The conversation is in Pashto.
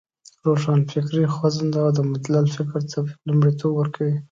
روښانفکري خوځنده او مدلل فکر ته لومړیتوب ورکوی.